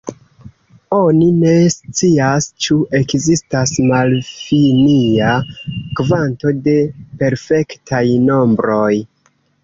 Oni ne scias, ĉu ekzistas malfinia kvanto de perfektaj nombroj.